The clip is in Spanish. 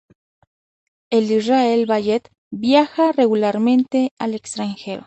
El Israel Ballet viaja regularmente al extranjero.